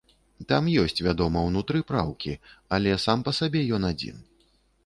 Там ёсць, вядома, унутры праўкі, але сам па сабе ён адзін.